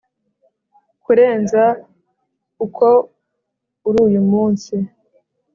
kurenza uko uri uyu munsi